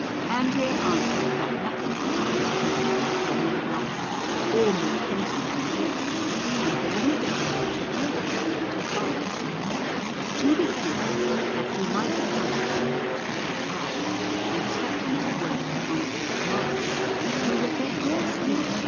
Andrea answered that nothing could happen to him that would be more welcome or more pleasing than this, and Bernardetto took the boy with him to Florence, to the end that he might become perfect in that art, and set him to work with one of those masters who were then esteemed the best.